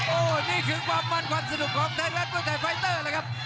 โอ้โหนี่คือความมั่นความสนุกของไทยรัฐมวยไทยไฟเตอร์เลยครับ